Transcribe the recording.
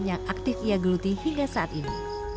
yang aktif ia geluti hingga saat ini